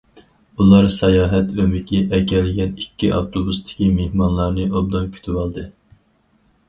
ئۇلار ساياھەت ئۆمىكى ئەكەلگەن ئىككى ئاپتوبۇستىكى مېھمانلارنى ئوبدان كۈتۈۋالدى.